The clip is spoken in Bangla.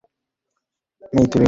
ওকে নিয়ে ভেবো না।